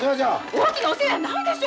大きなお世話やないでしょ！